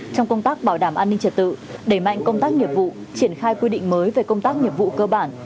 trong công tác bảo đảm an ninh trật tự đẩy mạnh công tác nghiệp vụ triển khai quy định mới về công tác nhiệm vụ cơ bản